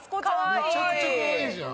めちゃくちゃカワイイじゃん。